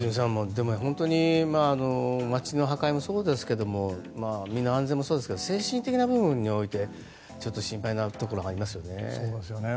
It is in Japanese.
良純さん、でも本当に街の破壊もそうですけど身の安全もそうですけど精神的な部分でも心配なところがありますね。